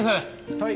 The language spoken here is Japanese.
はい。